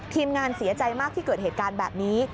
งานเสียใจมากที่เกิดเหตุการณ์แบบนี้